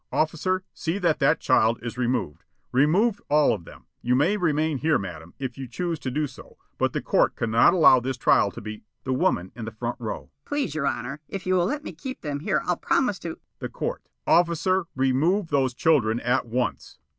Officer, see that that child is removed. Remove all of them. You may remain here, madam, if you choose to do so, but the court cannot allow this trial to be " The Woman in the front row: "Please, your honor, if you will let me keep them here I'll promise to " The Court: "Officer, remove those children at once."